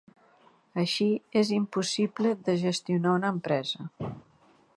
Així és impossible de gestionar una empresa.